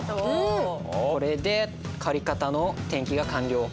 これで借方の転記が完了。